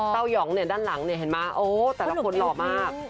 เต้ายองด้านหลังเห็นมาโอ้โหแต่ละคนหล่อมาก